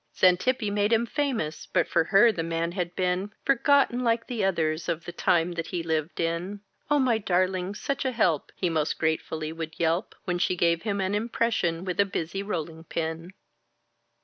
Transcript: Xantippe made him famous; but for her the man had been Forgotten like the others of the time that he lived in. "Oh, my darling, such a help!" He most gratefully would yelp When she gave him an impression with a busy rolling pin.